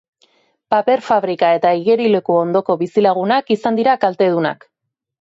Paper-fabrika eta igerileku ondoko bizilagunak izan dira kaltedunak.